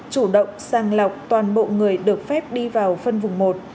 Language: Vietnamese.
chủ động sàng lọc toàn bộ người được phép đi vào phân vùng một